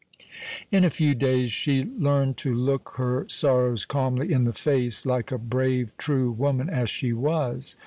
In a few days she learned to look her sorrows calmly in the face, like a brave, true woman, as she was.